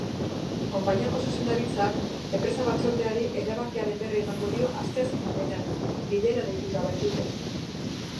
Konpainiako zuzendaritzak enpresa-batzordeari erabakiaren berri emango dio asteazken honetan, bilera deituta baitute.